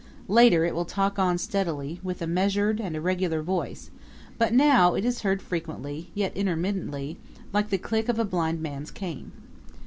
Later it will talk on steadily, with a measured and a regular voice; but now it is heard frequently, yet intermittently, like the click of a blind man's cane.